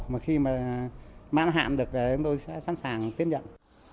mà khi mà mãn hạn được thì chúng tôi sẽ sẵn sàng tiếp nhận